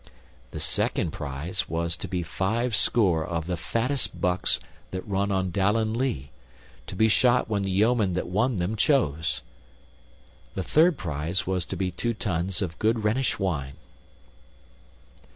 The second prize was to be fivescore of the fattest bucks that run on Dallen Lea, to be shot when the yeoman that won them chose. The third prize was to be two tuns of good Rhenish wine.